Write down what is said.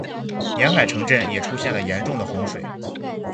沿海城镇也出现了严重的洪水。